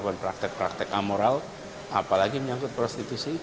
walaupun praktik praktik amoral apalagi menyaksikan prostitusi